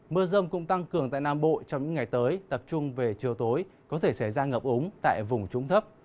mưa rông cũng tăng cường tại nam bộ trong những ngày tới tập trung về chiều tối có thể xảy ra ngập ống tại vùng trúng thấp